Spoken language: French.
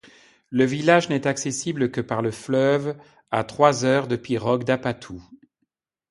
Le village n'est accessible que par le fleuve, à trois heures de pirogue d'Apatou.